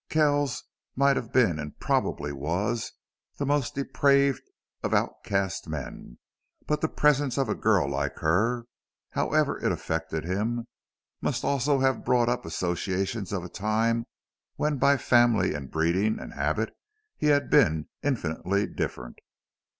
Kells might have been and probably was the most depraved of outcast men; but the presence of a girl like her, however it affected him, must also have brought up associations of a time when by family and breeding and habit he had been infinitely different.